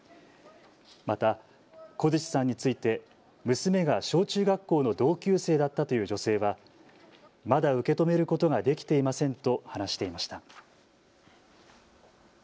また小槌さんについて娘が小中学校の同級生だったという女性はまだ受け止めることができていませんと話していました。